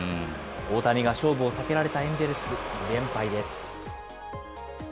大谷が勝負を避けられたエンジェルス、２連敗です。